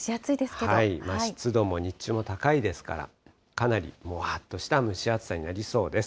湿度も、日中も高いですから、かなりもわっとした蒸し暑さになりそうです。